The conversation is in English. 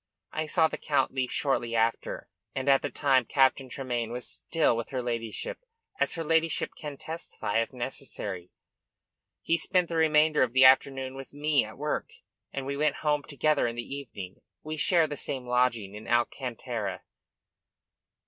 I saw the Count leave shortly after, and at the time Captain Tremayne was still with her ladyship as her ladyship can testify if necessary. He spent the remainder of the afternoon with me at work, and we went home together in the evening. We share the same lodging in Alcantara."